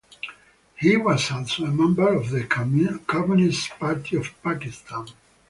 He was also a member of the Communist Party of Pakistan.